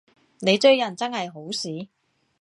你追人真係好屎